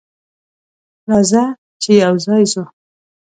راځه چې یوځای ځو.